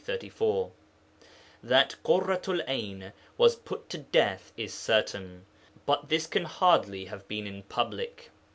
That Ḳurratu'l 'Ayn was put to death is certain, but this can hardly have been in public.